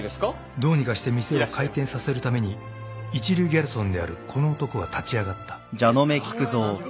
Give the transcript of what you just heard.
［どうにかして店を開店させるために一流ギャルソンであるこの男が立ち上がった］ですがこのワインには。